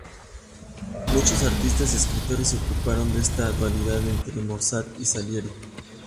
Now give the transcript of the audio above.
Muchos artistas y escritores se ocuparon de esta dualidad entre Mozart y Salieri.